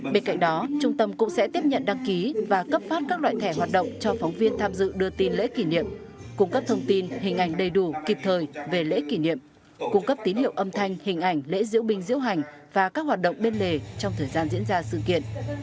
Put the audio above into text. bên cạnh đó trung tâm cũng sẽ tiếp nhận đăng ký và cấp phát các loại thẻ hoạt động cho phóng viên tham dự đưa tin lễ kỷ niệm cung cấp thông tin hình ảnh đầy đủ kịp thời về lễ kỷ niệm cung cấp tín hiệu âm thanh hình ảnh lễ diễu binh diễu hành và các hoạt động bên lề trong thời gian diễn ra sự kiện